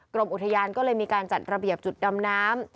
กรมอุทยานก็เลยมีการจัดระเบียบจุดดำน้ำ